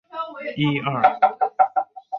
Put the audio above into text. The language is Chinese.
初时名为冈山新田藩。